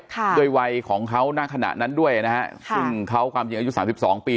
ด้วยวัยของเขาณขณะนั้นด้วยนะฮะซึ่งเขาความจริงอายุสามสิบสองปี